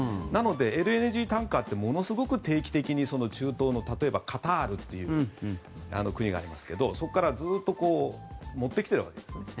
なのでＬＮＧタンカーってものすごく定期的に中東の、例えばカタールという国がありますがそこからずっと持ってきているわけです。